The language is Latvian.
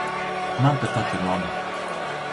Man tepat ir labi.